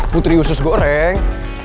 putri usus goreng